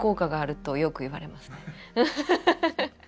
ハハハハッ。